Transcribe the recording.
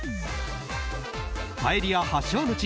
パエリア発祥の地